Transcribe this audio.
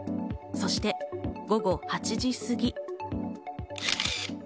そして午後８時すぎ。